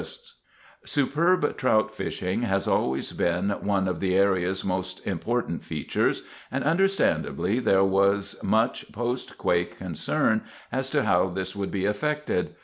Forest Service)] Superb trout fishing has always been one of the area's most important features, and, understandably, there was much post quake concern as to how this would be affected.